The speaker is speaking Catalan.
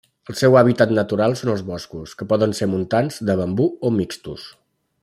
El seu hàbitat natural són els boscos, que poden ser montans, de bambú o mixtos.